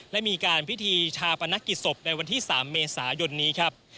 และมีการพิธีชาปนกิจศพในวันที่๓เมษายนนี้ครับ